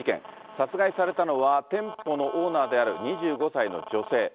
殺害されたのは、店舗のオーナーである２５歳の女性。